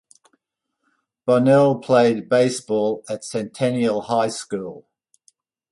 Bonnell played baseball at Centennial High School.